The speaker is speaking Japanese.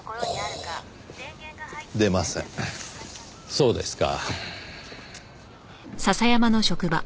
そうですか。